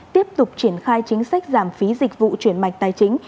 tiếp tục triển khai chính sách giảm phí dịch vụ chuyển mạch tài chính